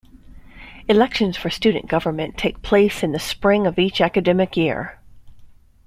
Elections for student government take place in the Spring of each academic year.